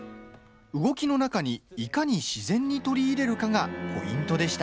動きの中にいかに自然に取り入れるかがポイントでした。